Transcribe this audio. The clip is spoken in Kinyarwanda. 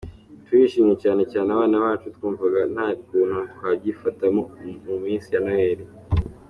Turishimye cyane cyane abana bacu, twumvaga nta kuntu twabyifatamo mu minsi ya Noheli.